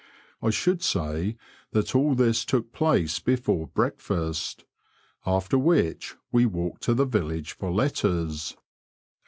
I should say that all this took place before breakfast, after which we walked to the village for letters.